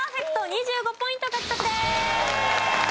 ２５ポイント獲得です。